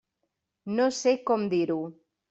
No sé com dir-ho.